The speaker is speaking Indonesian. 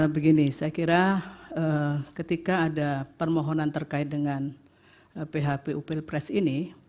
begini saya kira ketika ada permohonan terkait dengan phpu pilpres ini